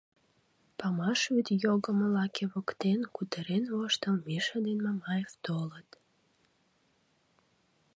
Памаш вӱд йогымо лаке воктен, кутырен-воштыл, Миша ден Мамаев толыт.